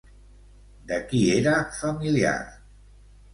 De qui era familiar?